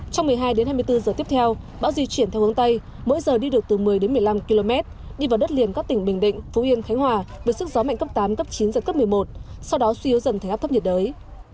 trong một mươi hai đến hai mươi bốn giờ tiếp theo bão di chuyển theo hướng tây mỗi giờ đi được từ một mươi đến một mươi năm km đi vào đất liền các tỉnh bình định phú yên khánh hòa với sức gió mạnh cấp tám cấp chín giật cấp một mươi một sau đó suy yếu dần thành áp thấp nhiệt đới